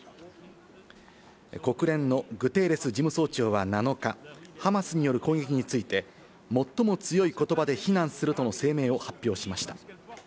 国連のグテーレス事務総長は７日、ハマスによる攻撃について、最も強い言葉で非難するとの声明を発表しました。